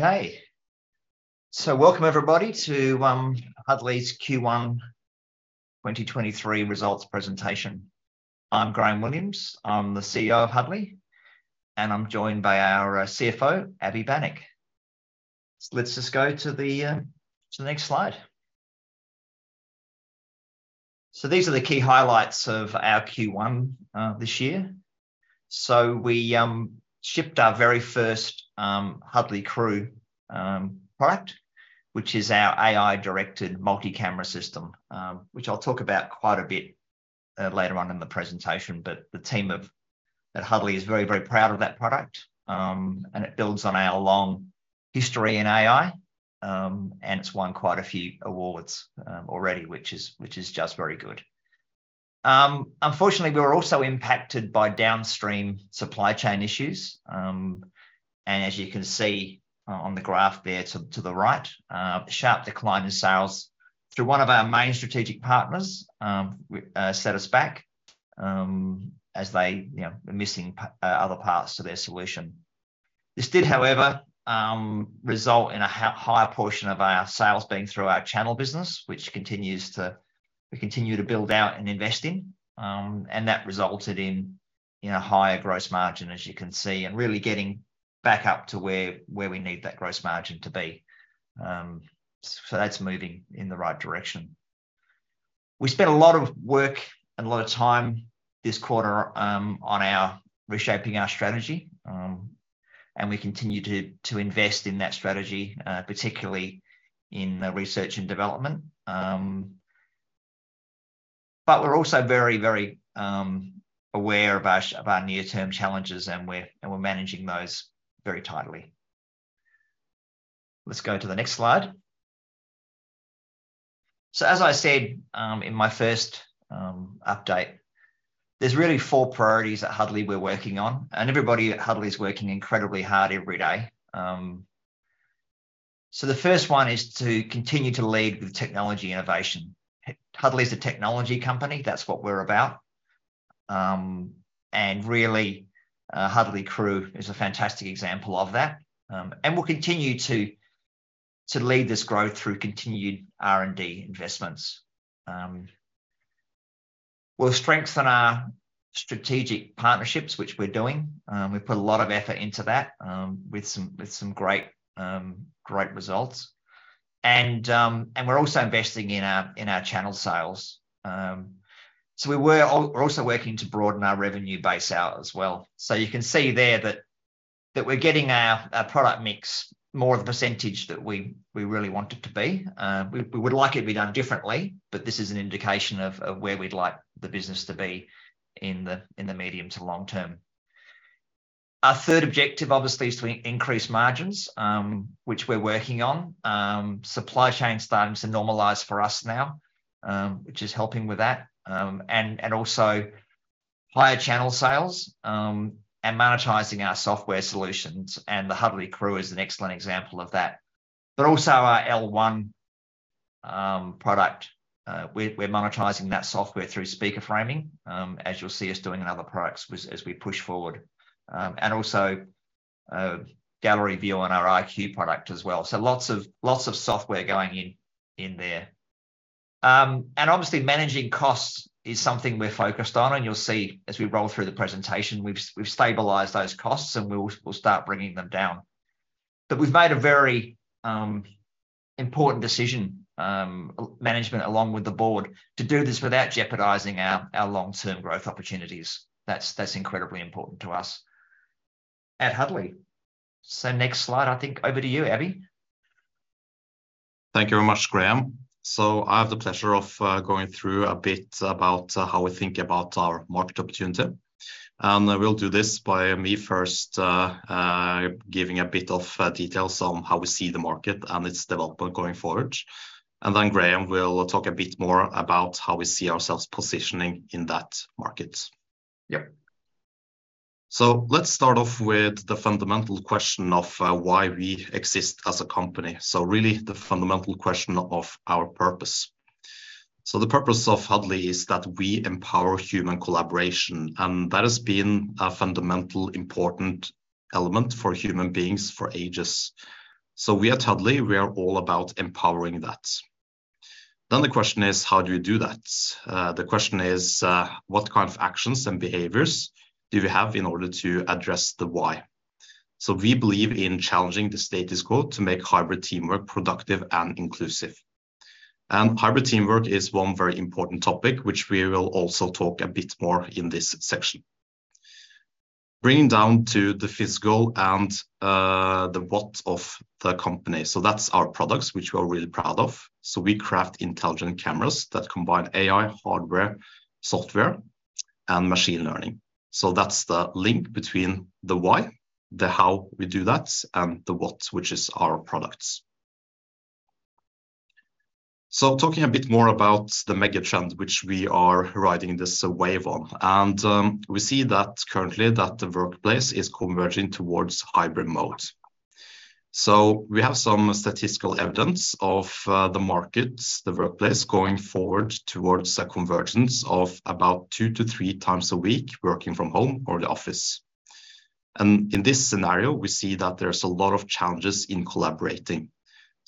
Okay. Welcome everybody to Huddly's Q1 2023 results presentation. I'm Graham Williams. I'm the CEO of Huddly, and I'm joined by our CFO, Abhijit Banik. Let's just go to the next slide. These are the key highlights of our Q1 this year. We shipped our very first Huddly Crew product, which is our AI-directed multi-camera system, which I'll talk about quite a bit later on in the presentation. The team at Huddly is very, very proud of that product. It builds on our long history in AI, and it's won quite a few awards already, which is just very good. Unfortunately, we were also impacted by downstream supply chain issues. As you can see, on the graph there to the right, sharp decline in sales through one of our main strategic partners, set us back as they, you know, were missing other parts to their solution. This did, however, result in a higher portion of our sales being through our channel business, which we continue to build out and invest in. That resulted in, you know, higher gross margin, as you can see, and really getting back up to where we need that gross margin to be. That's moving in the right direction. We spent a lot of work and a lot of time this quarter on our reshaping our strategy, and we continue to invest in that strategy, particularly in research and development. We're also very, very aware of our, of our near-term challenges, we're managing those very tightly. Let's go to the next slide. As I said, in my first update, there's really four priorities at Huddly we're working on, everybody at Huddly is working incredibly hard every day. The first one is to continue to lead with technology innovation. Huddly is a technology company. That's what we're about. Really, Huddly Crew is a fantastic example of that. We'll continue to lead this growth through continued R&D investments. We'll strengthen our strategic partnerships, which we're doing. We've put a lot of effort into that, with some great results. We're also investing in our channel sales. We're also working to broaden our revenue base out as well. You can see there that we're getting our product mix more of the percentage that we really want it to be. We would like it to be done differently, but this is an indication of where we'd like the business to be in the medium to long term. Our third objective, obviously, is to increase margins, which we're working on. Supply chain's starting to normalize for us now, which is helping with that. And also higher channel sales, and monetizing our software solutions, and the Huddly Crew is an excellent example of that. Also our Huddly L1 product, we're monetizing that software through Speaker Framing, as you'll see us doing in other products as we push forward. Also a Gallery View on our Huddly IQ product as well. Lots of software going in there. Obviously managing costs is something we're focused on, and you'll see as we roll through the presentation, we've stabilized those costs, and we'll start bringing them down. We've made a very important decision, management along with the board, to do this without jeopardizing our long-term growth opportunities. That's incredibly important to us at Huddly. Next slide, I think, over to you, Abhijit. Thank you very much, Graham. I have the pleasure of going through a bit about how we think about our market opportunity. I will do this by me first giving a bit of details on how we see the market and its development going forward. Then Graham will talk a bit more about how we see ourselves positioning in that market. Yep. Let's start off with the fundamental question of why we exist as a company. Really the fundamental question of our purpose. The purpose of Huddly is that we empower human collaboration, and that has been a fundamental important element for human beings for ages. We at Huddly, we are all about empowering that. The question is: How do you do that? The question is, what kind of actions and behaviors do you have in order to address the why? We believe in challenging the status quo to make hybrid teamwork productive and inclusive. Hybrid teamwork is one very important topic, which we will also talk a bit more in this section. Bringing down to the physical and the what of the company. That's our products, which we're really proud of. We craft intelligent cameras that combine AI, hardware, software, and machine learning. That's the link between the why, the how we do that, and the what, which is our products. Talking a bit more about the mega trend, which we are riding this wave on, and we see that currently that the workplace is converging towards hybrid mode. We have some statistical evidence of the markets, the workplace going forward towards a convergence of about two to three times a week working from home or the office. And in this scenario, we see that there's a lot of challenges in collaborating.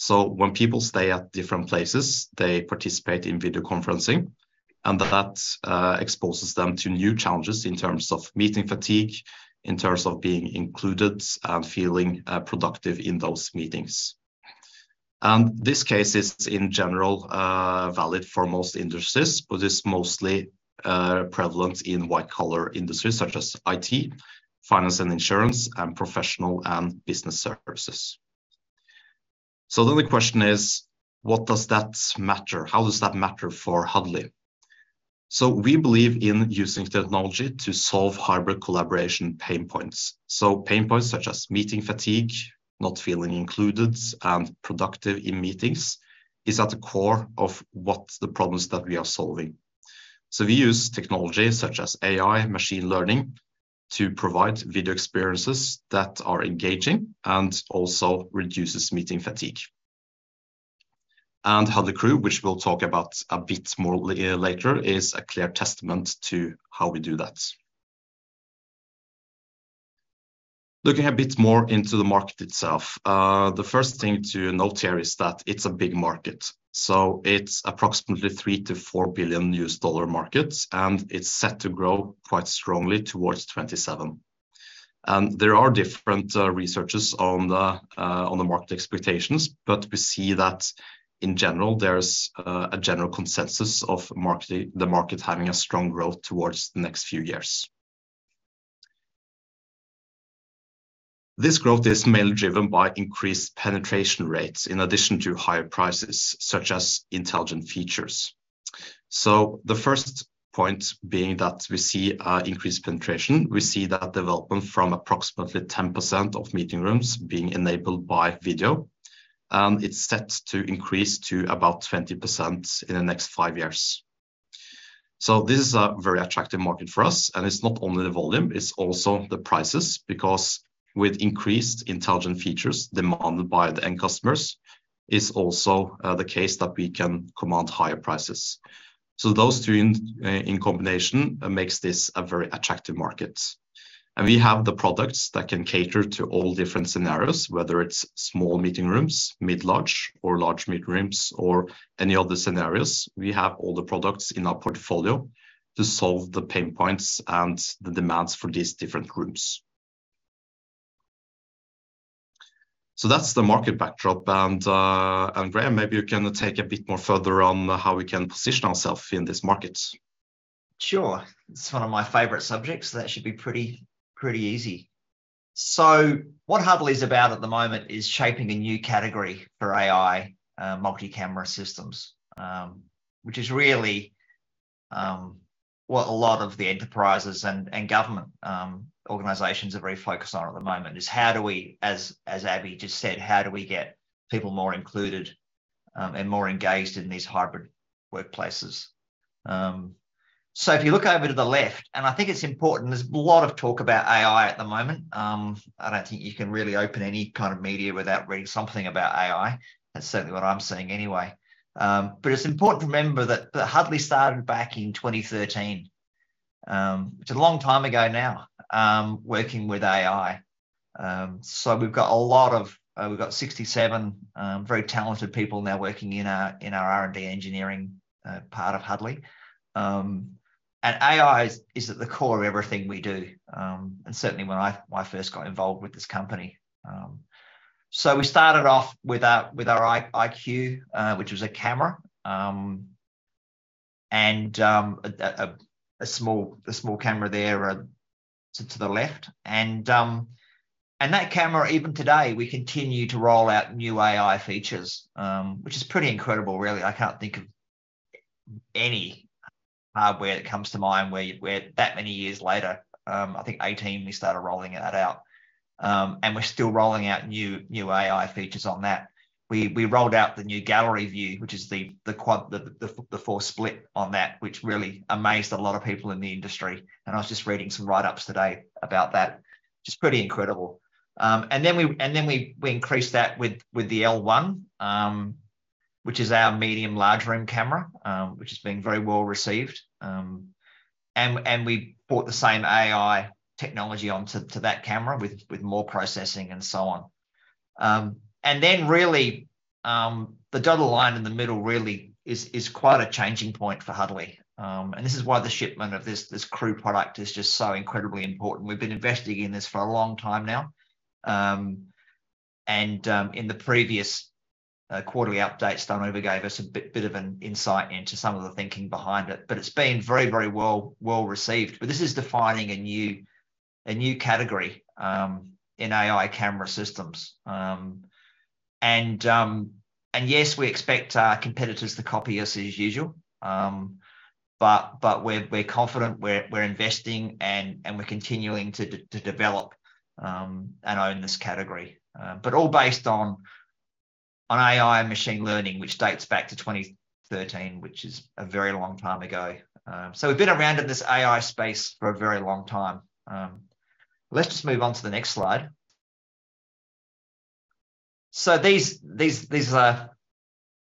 When people stay at different places, they participate in video conferencing, and that exposes them to new challenges in terms of meeting fatigue, in terms of being included and feeling productive in those meetings. This case is, in general, valid for most industries, but it's mostly, prevalent in white-collar industries such as IT, finance and insurance, and professional and business services. The question is: What does that matter? How does that matter for Huddly? We believe in using technology to solve hybrid collaboration pain points. Pain points such as meeting fatigue, not feeling included and productive in meetings is at the core of what the problems that we are solving. We use technology such as AI, machine learning to provide video experiences that are engaging and also reduces meeting fatigue. Huddly Crew, which we'll talk about a bit more later, is a clear testament to how we do that. Looking a bit more into the market itself, the first thing to note here is that it's a big market. It's approximately $3 billion-$4 billion U.S. dollar markets, and it's set to grow quite strongly towards 2027. There are different researches on the market expectations, but we see that in general there's a general consensus of the market having a strong growth towards the next few years. This growth is mainly driven by increased penetration rates in addition to higher prices, such as intelligent features. The first point being that we see increased penetration. We see that development from approximately 10% of meeting rooms being enabled by video, and it's set to increase to about 20% in the next five years. This is a very attractive market for us, and it's not only the volume, it's also the prices. With increased intelligent features demanded by the end customers, it's also the case that we can command higher prices. Those two in combination makes this a very attractive market. We have the products that can cater to all different scenarios, whether it's small meeting rooms, mid-large or large meeting rooms or any other scenarios. We have all the products in our portfolio to solve the pain points and the demands for these different rooms. That's the market backdrop. Graham, maybe you can take a bit more further on how we can position ourselves in this market. Sure. It's one of my favorite subjects. That should be pretty easy. What Huddly is about at the moment is shaping a new category for AI multi-camera systems, which is really what a lot of the enterprises and government organizations are very focused on at the moment is how do we, as Abhijit just said, how do we get people more included and more engaged in these hybrid workplaces? If you look over to the left, and I think it's important, there's a lot of talk about AI at the moment. I don't think you can really open any kind of media without reading something about AI. That's certainly what I'm seeing anyway. It's important to remember that Huddly started back in 2013, which is a long time ago now, working with AI. We've got a lot of, we've got 67 very talented people now working in our R&D engineering part of Huddly. AI is at the core of everything we do, and certainly when I first got involved with this company. We started off with our IQ, which was a camera, and a small camera there to the left. That camera, even today, we continue to roll out new AI features, which is pretty incredible really. I can't think of any hardware that comes to mind where that many years later, I think 2018 we started rolling that out, and we're still rolling out new AI features on that. We rolled out the new Gallery View, which is the quad, the four split on that, which really amazed a lot of people in the industry and I was just reading some write-ups today about that. Just pretty incredible. Then we increased that with the L1, which is our medium large room camera, which has been very well received. And we brought the same AI technology onto that camera with more processing and so on. Then really, the dotted line in the middle really is quite a changing point for Huddly. This is why the shipment of this Crew product is just so incredibly important. We've been investing in this for a long time now. In the previous quarterly update, Stein Ove gave us a bit of an insight into some of the thinking behind it, but it's been very well received. This is defining a new category in AI camera systems. Yes, we expect our competitors to copy us as usual. We're confident, we're investing and we're continuing to develop and own this category. All based on AI and machine learning, which dates back to 2013, which is a very long time ago. We've been around in this AI space for a very long time. Let's just move on to the next slide.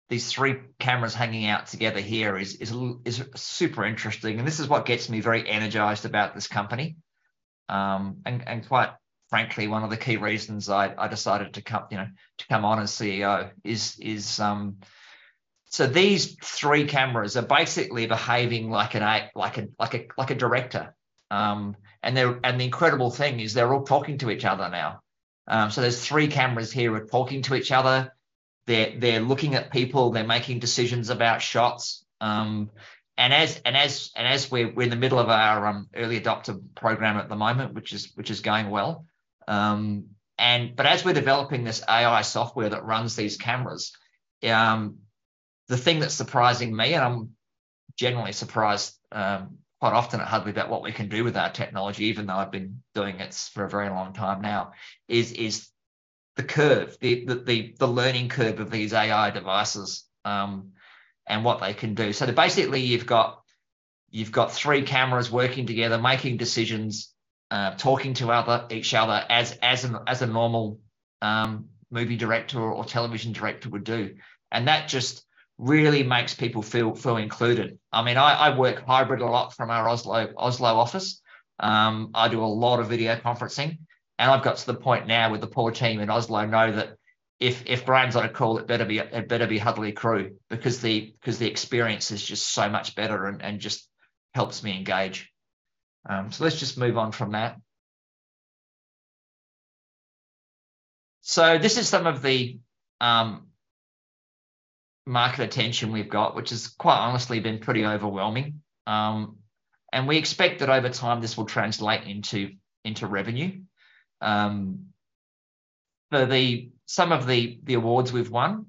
These three cameras hanging out together here is super interesting, and this is what gets me very energized about this company. And quite frankly one of the key reasons I decided to come, you know, to come on as CEO is. These three cameras are basically behaving like a director. The incredible thing is they're all talking to each other now. There's three cameras here talking to each other. They're looking at people. They're making decisions about shots. As we're in the middle of our early adopter program at the moment, which is going well. As we're developing this AI software that runs these cameras, the thing that's surprising me, and I'm generally surprised quite often at Huddly about what we can do with our technology even though I've been doing it for a very long time now, is the curve. The learning curve of these AI devices and what they can do. Basically you've got three cameras working together, making decisions, talking to each other as a normal movie director or television director would do, and that just really makes people feel included. I mean, I work hybrid a lot from our Oslo office. I do a lot of video conferencing, and I've got to the point now where the poor team in Oslo know that if Graham's on a call it better be Huddly Crew because the experience is just so much better and just helps me engage. Let's just move on from that. This is some of the market attention we've got, which has quite honestly been pretty overwhelming. We expect that over time this will translate into revenue. For some of the awards we've won,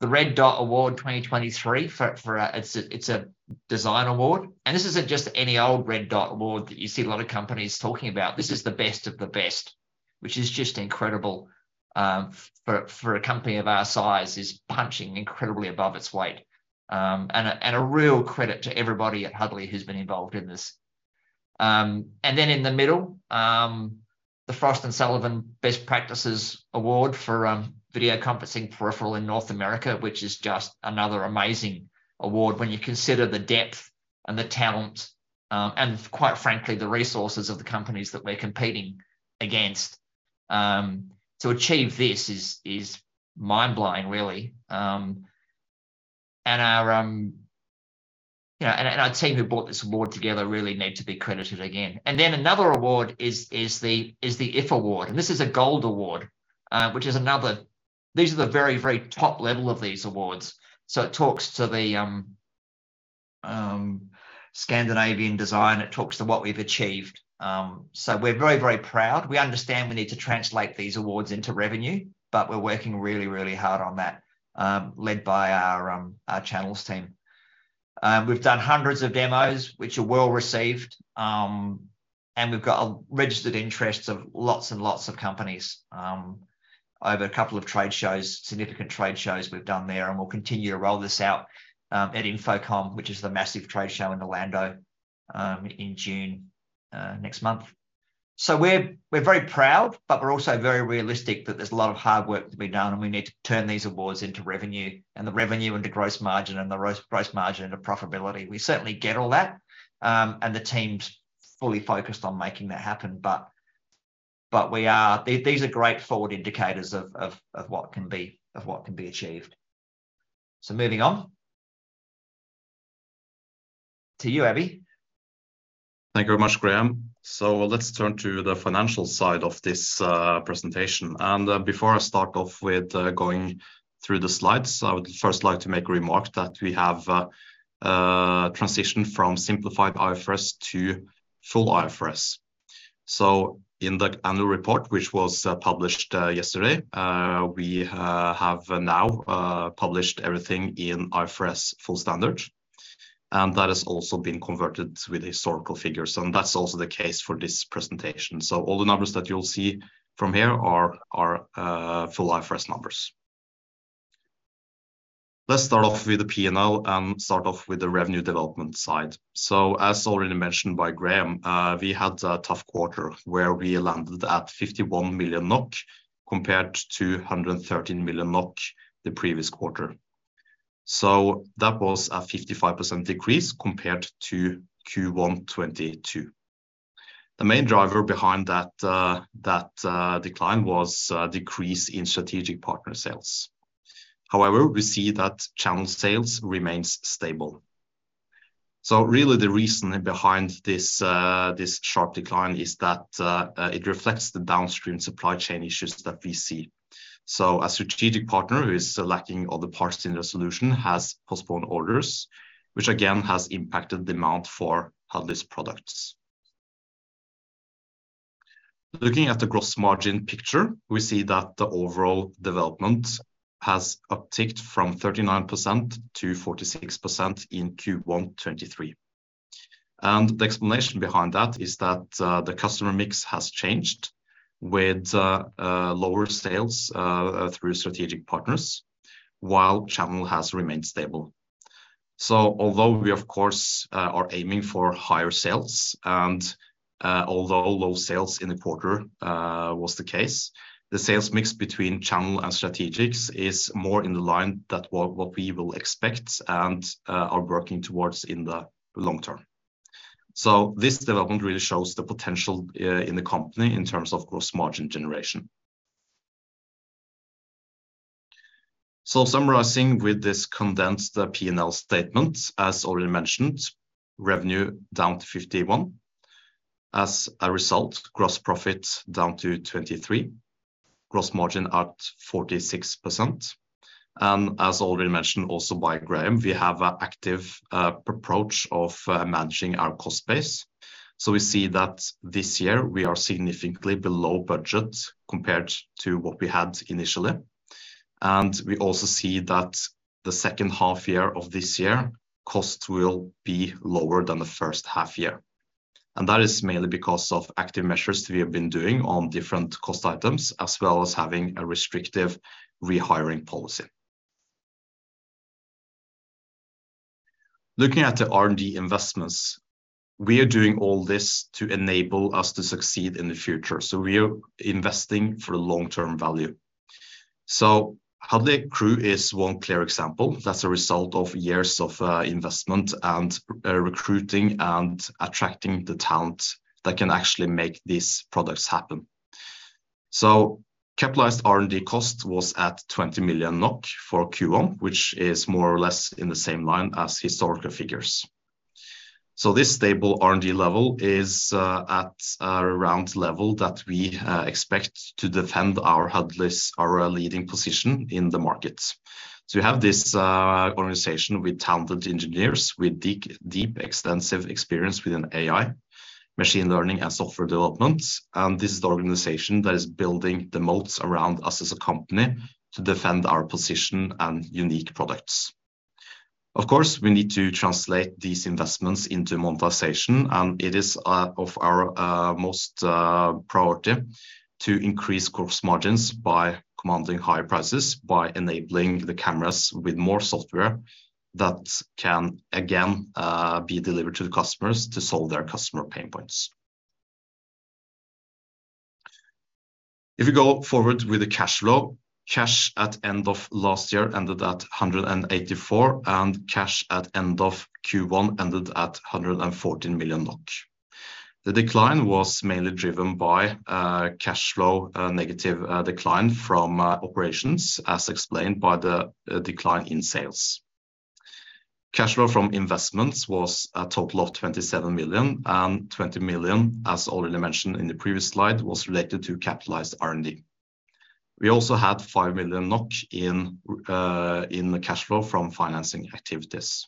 the Red Dot Design Award 2023 for a design award. This isn't just any old Red Dot Design Award that you see a lot of companies talking about. This is the best of the best, which is just incredible, for a company of our size. It's punching incredibly above its weight, and a real credit to everybody at Huddly who's been involved in this. Then in the middle, the Frost & Sullivan Best Practices Award for video conferencing peripheral in North America, which is just another amazing award when you consider the depth and the talent, and quite frankly the resources of the companies that we're competing against. To achieve this is mind-blowing really. Our, you know, and our team who brought this award together really need to be credited again. Then another award is the iF Award, and this is a gold award, which is another... These are the very, very top level of these awards, so it talks to the Scandinavian design. It talks to what we've achieved. So we're very, very proud. We understand we need to translate these awards into revenue, but we're working really, really hard on that, led by our our channels team. We've done hundreds of demos which are well received, and we've got a registered interest of lots and lots of companies, over a couple of trade shows, significant trade shows we've done there. We'll continue to roll this out at InfoComm, which is the massive trade show in Orlando, in June, next month. We're very proud, but we're also very realistic that there's a lot of hard work to be done and we need to turn these awards into revenue, and the revenue into gross margin, and the gross margin into profitability. We certainly get all that, and the team's fully focused on making that happen. These are great forward indicators of what can be achieved. Moving on. To you, Abhijit. Thank you very much, Graham. Let's turn to the financial side of this presentation. Before I start off with going through the slides, I would first like to make a remark that we have transitioned from simplified IFRS to full IFRS. In the annual report, which was published yesterday, we have now published everything in IFRS full standard, and that has also been converted with historical figures, and that's also the case for this presentation. All the numbers that you'll see from here are full IFRS numbers. Let's start off with the P&L and start off with the revenue development side. As already mentioned by Graham, we had a tough quarter where we landed at 51 million NOK compared to 113 million NOK the previous quarter. That was a 55% decrease compared to Q1 2022. The main driver behind that decline was a decrease in strategic partner sales. However, we see that channel sales remains stable. Really the reason behind this sharp decline is that it reflects the downstream supply chain issues that we see. A strategic partner who is lacking all the parts in the solution has postponed orders, which again has impacted the amount for Huddly's products. Looking at the gross margin picture, we see that the overall development has upticked from 39% to 46% in Q1 2023, and the explanation behind that is that the customer mix has changed with lower sales through strategic partners while channel has remained stable. Although we of course are aiming for higher sales, and although low sales in the quarter was the case, the sales mix between channel and strategics is more in the line that what we will expect and are working towards in the long term. This development really shows the potential in the company in terms of gross margin generation. Summarizing with this condensed P&L statement, as already mentioned, revenue down to 51 million. As a result, gross profit down to 23 million. Gross margin at 46%. As already mentioned also by Graham, we have a active approach of managing our cost base. We see that this year we are significantly below budget compared to what we had initially. We also see that the second half year of this year, costs will be lower than the first half year, and that is mainly because of active measures we have been doing on different cost items, as well as having a restrictive rehiring policy. Looking at the R&D investments, we are doing all this to enable us to succeed in the future. We are investing for long-term value. Huddly Crew is one clear example that's a result of years of investment and recruiting and attracting the talent that can actually make these products happen. Capitalized R&D cost was at 20 million NOK for Q1, which is more or less in the same line as historical figures. This stable R&D level is at a around level that we expect to defend our Huddly's, our leading position in the market. We have this organization with talented engineers with deep extensive experience within AI, machine learning, and software development, and this is the organization that is building the moats around us as a company to defend our position and unique products. Of course, we need to translate these investments into monetization, and it is of our most priority to increase gross margins by commanding higher prices by enabling the cameras with more software that can again be delivered to the customers to solve their customer pain points. You go forward with the cash flow, cash at end of last year ended at 184 million, cash at end of Q1 ended at 114 million NOK. The decline was mainly driven by cash flow negative decline from operations, as explained by the decline in sales. Cash flow from investments was a total of 27 million, 20 million, as already mentioned in the previous slide, was related to capitalized R&D. We also had 5 million NOK in the cash flow from financing activities.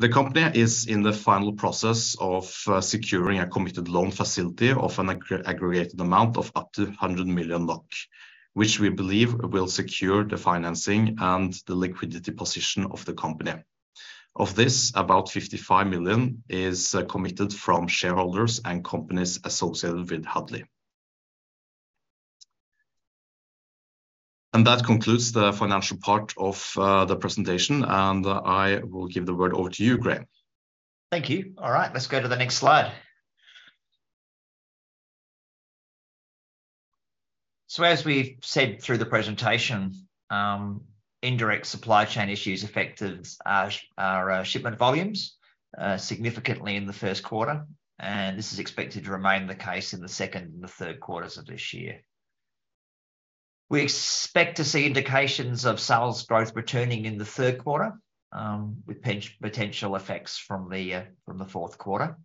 The company is in the final process of securing a committed loan facility of an aggregated amount of up to 100 million, which we believe will secure the financing and the liquidity position of the company. Of this, about 55 million is committed from shareholders and companies associated with Huddly. That concludes the financial part of the presentation, and I will give the word over to you, Graham. Thank you. All right. Let's go to the next slide. As we've said through the presentation, indirect supply chain issues affected our shipment volumes significantly in the first quarter, and this is expected to remain the case in the second and the third quarters of this year. We expect to see indications of sales growth returning in the third quarter, with potential effects from the fourth quarter.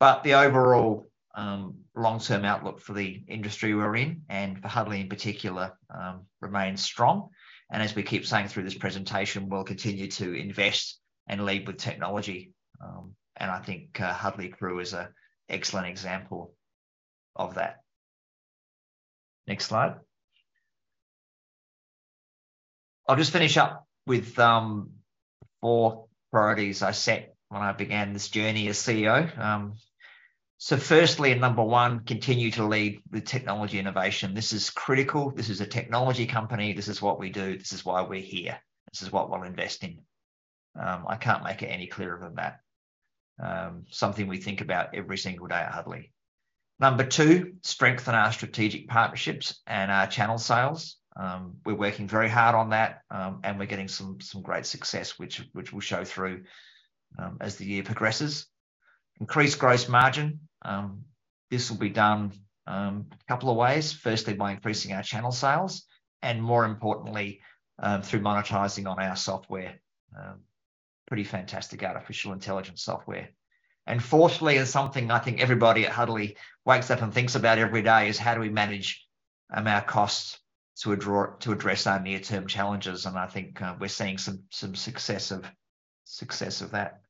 The overall long-term outlook for the industry we're in, and for Huddly in particular, remains strong. As we keep saying through this presentation, we'll continue to invest and lead with technology. I think Huddly Crew is a excellent example of that. Next slide. I'll just finish up with four priorities I set when I began this journey as CEO. Firstly, and number one, continue to lead with technology innovation. This is critical. This is a technology company. This is what we do. This is why we're here. This is what we're investing in. I can't make it any clearer than that. Something we think about every single day at Huddly. Number two, strengthen our strategic partnerships and our channel sales. We're working very hard on that, and we're getting some great success, which will show through as the year progresses. Increase gross margin. This will be done a couple of ways. Firstly, by increasing our channel sales and more importantly, through monetizing on our software. Pretty fantastic artificial intelligence software. Fourthly, and something I think everybody at Huddly wakes up and thinks about every day, is how do we manage our costs to address our near-term challenges? I think, we're seeing some success of that.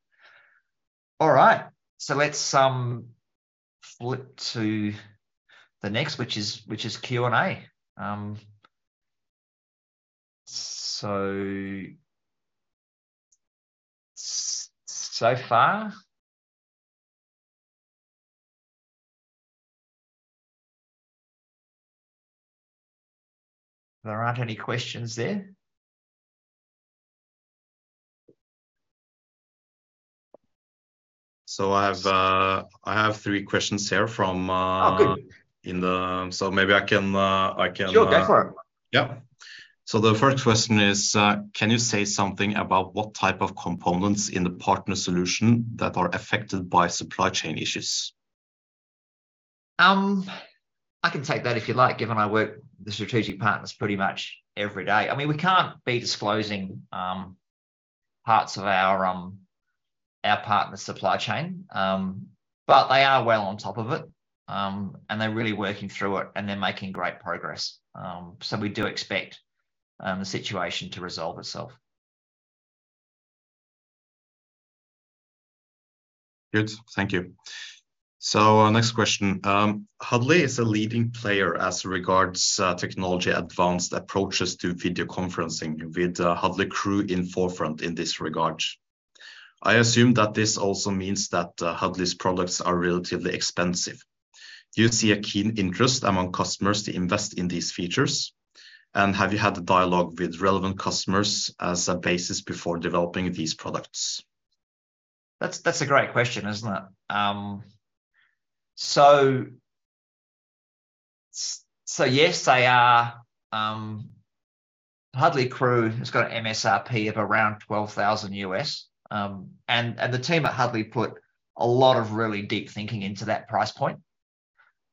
Right. Let's flip to the next, which is Q&A. So far, there aren't any questions there. I have three questions here from. Oh, good.... in the... maybe I can, I can. Sure. Go for it. Yeah. The first question is, can you say something about what type of components in the partner solution that are affected by supply chain issues? I can take that if you like, given I work with the strategic partners pretty much every day. I mean, we can't be disclosing parts of our our partners' supply chain. They are well on top of it, and they're really working through it, and they're making great progress. We do expect the situation to resolve itself. Good. Thank you. Next question. Huddly is a leading player as regards technology advanced approaches to video conferencing with Huddly Crew in forefront in this regard. I assume that this also means that Huddly's products are relatively expensive. Do you see a keen interest among customers to invest in these features? Have you had the dialogue with relevant customers as a basis before developing these products? That's a great question, isn't it? So yes, they are. Huddly Crew has got an MSRP of around $12,000. The team at Huddly put a lot of really deep thinking into that price point.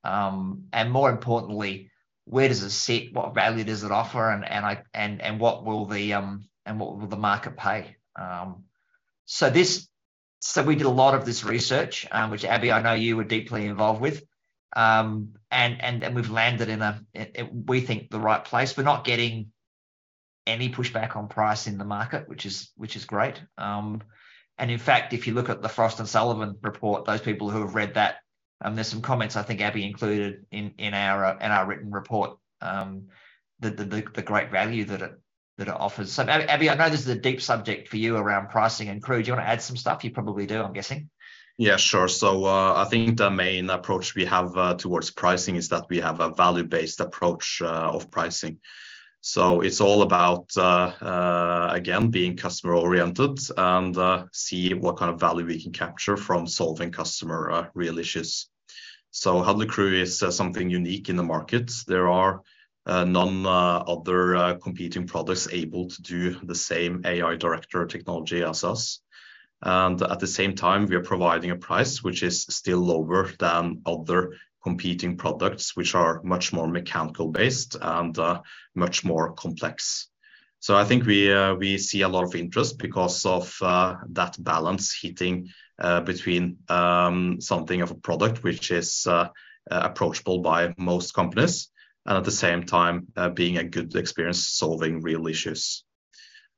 More importantly, where does it sit, what value does it offer, and what will the market pay? We did a lot of this research, which, Abhijit, I know you were deeply involved with. We've landed in a, we think the right place. We're not getting any pushback on price in the market, which is great. In fact, if you look at the Frost & Sullivan report, those people who have read that, and there's some comments I think Abhijit included in our written report, the great value that it offers. Abhijit, I know this is a deep subject for you around pricing and Crew. Do you wanna add some stuff? You probably do, I'm guessing. Yeah, sure. I think the main approach we have towards pricing is that we have a value-based approach of pricing. It's all about again, being customer oriented and see what kind of value we can capture from solving customer real issues. Huddly Crew is something unique in the market. There are none other competing products able to do the same AI Director technology as us. At the same time, we are providing a price which is still lower than other competing products, which are much more mechanical based and much more complex. I think we see a lot of interest because of that balance hitting between something of a product which is approachable by most companies and at the same time being a good experience solving real issues.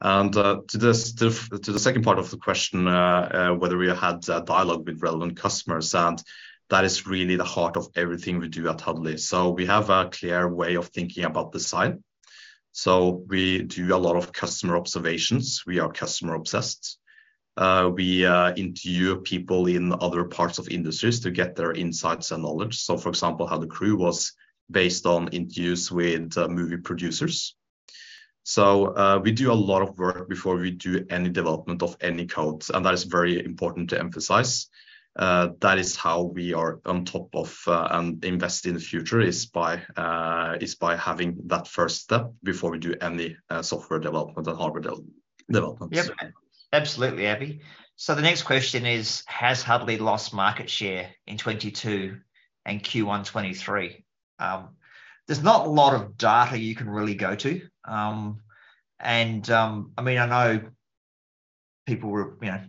To the second part of the question, whether we had a dialogue with relevant customers, and that is really the heart of everything we do at Huddly. We have a clear way of thinking about design. We do a lot of customer observations. We are customer obsessed. We interview people in other parts of industries to get their insights and knowledge. For example, how the Crew was based on interviews with movie producers. We do a lot of work before we do any development of any codes, and that is very important to emphasize. That is how we are on top of, and investing in the future is by, is by having that first step before we do any software development and hardware development. Absolutely, Abhijit. The next question is, has Huddly lost market share in 2022 and Q1 2023? There's not a lot of data you can really go to. I mean, I know people you know,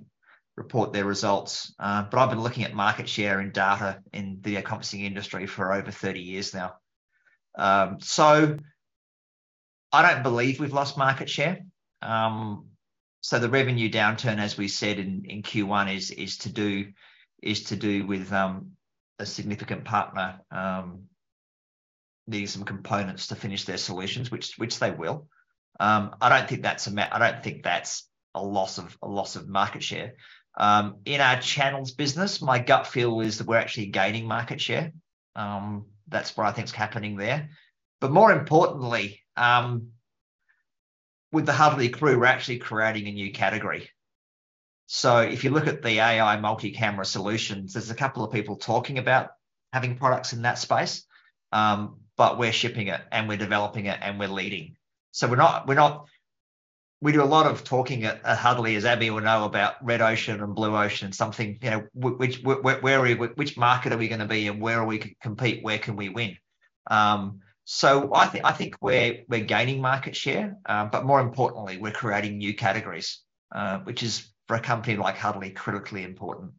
report their results, but I've been looking at market share and data in the conferencing industry for over 30 years now. I don't believe we've lost market share. The revenue downturn, as we said in Q1 is to do with a significant partner needing some components to finish their solutions, which they will. I don't think that's a loss of market share. In our channels business, my gut feel is that we're actually gaining market share. That's what I think is happening there. More importantly, with the Huddly Crew, we're actually creating a new category. If you look at the AI multi-camera solutions, there's a couple of people talking about having products in that space. We're shipping it, and we're developing it, and we're leading. We're not We do a lot of talking at Huddly, as Abhijit would know, about red ocean and blue ocean, something, you know, which market are we gonna be and where are we compete, where can we win? I think we're gaining market share. More importantly, we're creating new categories, which is for a company like Huddly critically important.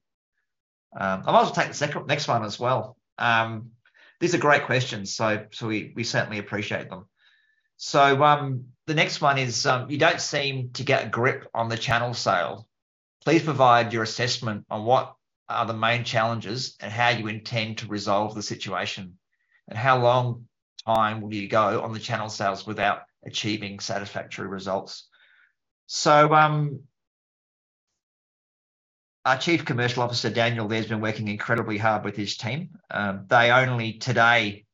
I might as well take the second, next one as well. These are great questions. We certainly appreciate them. The next one is, you don't seem to get a grip on the channel sales. Please provide your assessment on what are the main challenges and how you intend to resolve the situation, and how long time will you go on the channel sales without achieving satisfactory results. Our Chief Commercial Officer, Daniel, there has been working incredibly hard with his team. They only today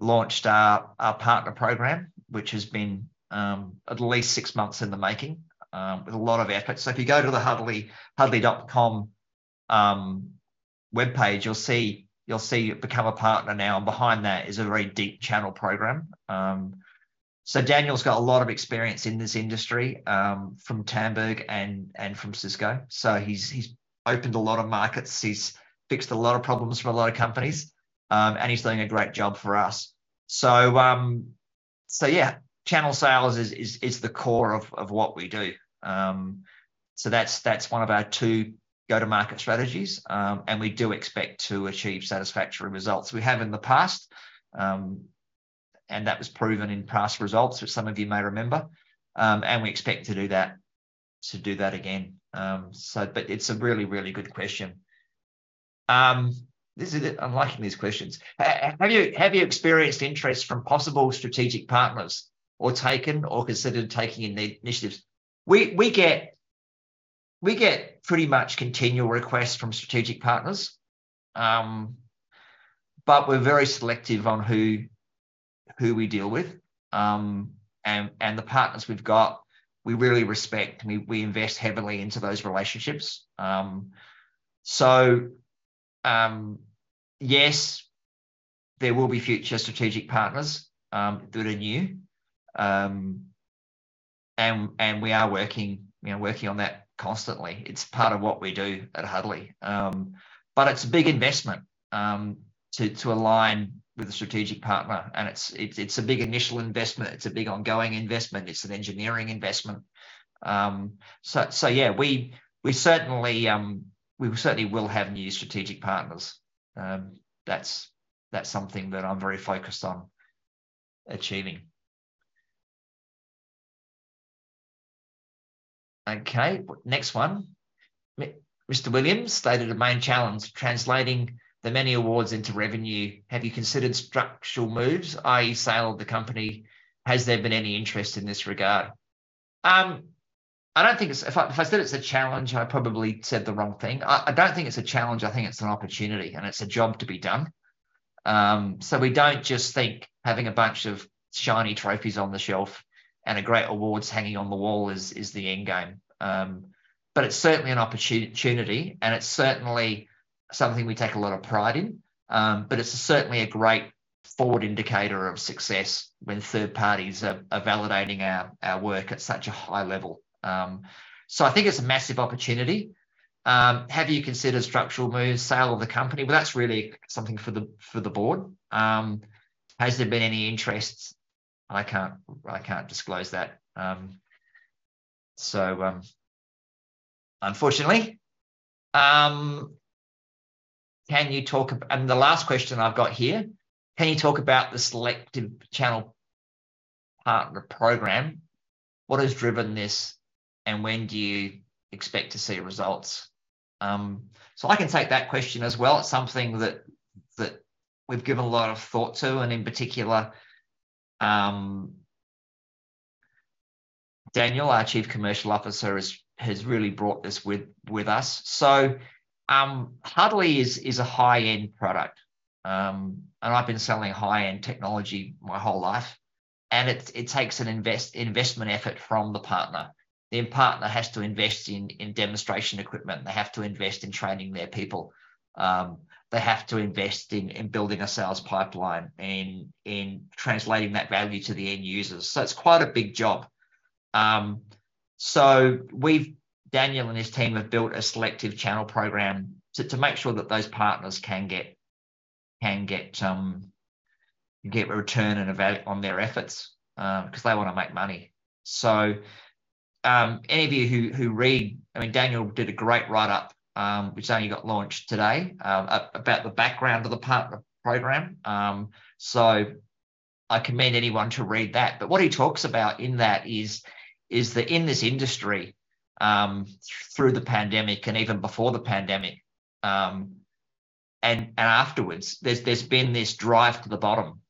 launched our partner program, which has been, at least six months in the making, with a lot of aspects. If you go to the Huddly, huddly.com webpage, you'll see Become a Partner now, and behind that is a very deep channel program. Daniel's got a lot of experience in this industry, from Tandberg and from Cisco. He's opened a lot of markets, he's fixed a lot of problems for a lot of companies, and he's doing a great job for us. Channel sales is the core of what we do. That's one of our two go-to-market strategies. We do expect to achieve satisfactory results. We have in the past, and that was proven in past results, which some of you may remember. We expect to do that again. It's a really, really good question. This is it. I'm liking these questions. Have you experienced interest from possible strategic partners or taken or considered taking initiatives? We get pretty much continual requests from strategic partners. We're very selective on who we deal with. The partners we've got, we really respect, and we invest heavily into those relationships. Yes, there will be future strategic partners, good and new. We are working, you know, working on that constantly. It's part of what we do at Huddly. It's a big investment to align with a strategic partner, and it's a big initial investment, it's a big ongoing investment, it's an engineering investment. Yeah, we certainly will have new strategic partners. That's something that I'm very focused on achieving. Okay. Next one. Mr. Williams stated the main challenge, translating the many awards into revenue. Have you considered structural moves, i.e. sale of the company? Has there been any interest in this regard? I don't think it's... If I said it's a challenge, I probably said the wrong thing. I don't think it's a challenge, I think it's an opportunity, and it's a job to be done. We don't just think having a bunch of shiny trophies on the shelf and a great awards hanging on the wall is the end game. It's certainly an opportunity, and it's certainly something we take a lot of pride in. It's certainly a great forward indicator of success when third parties are validating our work at such a high level. I think it's a massive opportunity. Have you considered structural moves, sale of the company? Well, that's really something for the board. Has there been any interest? I can't disclose that, unfortunately. The last question I've got here: Can you talk about the selective channel partner program? What has driven this, and when do you expect to see results? I can take that question as well. It's something that we've given a lot of thought to, and in particular, Daniel, our Chief Commercial Officer, has really brought this with us. Huddly is a high-end product. I've been selling high-end technology my whole life, and it takes an investment effort from the partner. Their partner has to invest in demonstration equipment, and they have to invest in training their people. They have to invest in building a sales pipeline and in translating that value to the end users. It's quite a big job. We've... Daniel and his team have built a selective channel program to make sure that those partners can get a return on their efforts, 'cause they wanna make money. Any of you who read... I mean, Daniel did a great write-up, which only got launched today, about the background of the partner program. I commend anyone to read that. What he talks about in that is that in this industry, through the pandemic and even before the pandemic, and afterwards, there's been this drive to the bottom.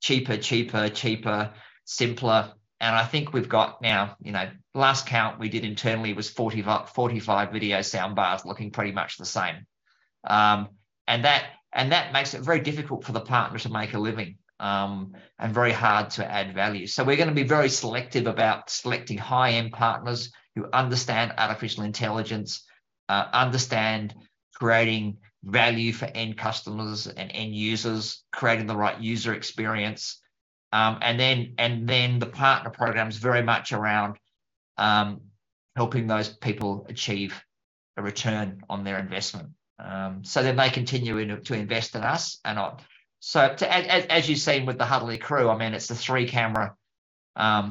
Cheaper, cheaper, simpler, and I think we've got now, you know, last count we did internally was 40-45 video sound bars looking pretty much the same. That makes it very difficult for the partner to make a living and very hard to add value. We're gonna be very selective about selecting high-end partners who understand artificial intelligence, understand creating value for end customers and end users, creating the right user experience. The partner program is very much around helping those people achieve a return on their investment. They continue to invest in us and on. As you've seen with the Huddly Crew, I mean, it's the 3-camera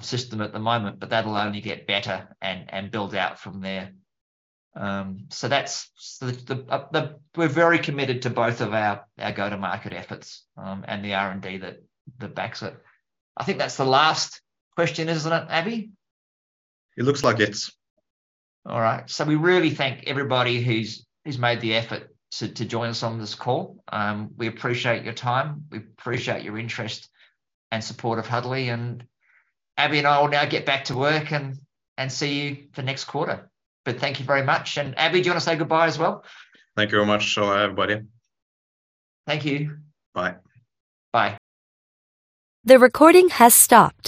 system at the moment, but that'll only get better and build out from there. That's the. We're very committed to both of our go-to-market efforts and the R&D that backs it. I think that's the last question, isn't it, Abhijit? It looks like it's. All right. We really thank everybody who's made the effort to join us on this call. We appreciate your time. We appreciate your interest and support of Huddly. Abhijit and I will now get back to work, and see you for next quarter. Thank you very much. Abhijit, do you wanna say goodbye as well? Thank you very much. Shalom, everybody. Thank you. Bye. Bye. The recording has stopped.